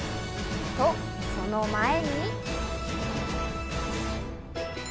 と、その前に。